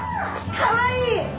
かわいい。